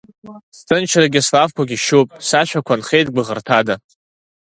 Сҭынчрагьы слафқәагьы шьуп, сашәақәа нхеит гәыӷырҭада.